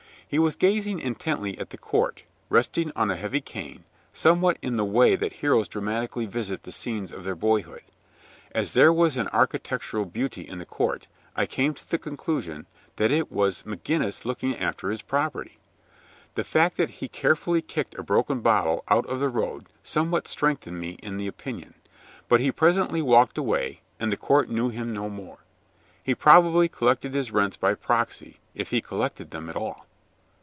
He was gazing intently at the court, resting on a heavy cane, somewhat in the way that heroes dramatically visit the scenes of their boyhood. As there was little of architectural beauty in the court, I came to the conclusion that it was McGinnis looking after his property. The fact that he carefully kicked a broken bottle out of the road somewhat strengthened me in the opinion. But he presently walked away, and the court knew him no more. He probably collected his rents by proxy if he collected them at all.